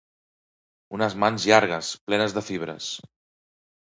—unes mans llargues, plenes de fibres